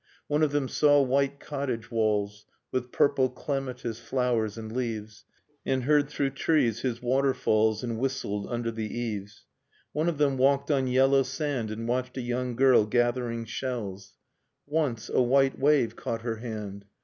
One of them saw white cottage walls With purple clematis flowers and leaves, And heard through trees his waterfalls And whistled under the eaves; One of them walked on yellow sand And watched a young girl gathering shells Once, a white wave caught her hand.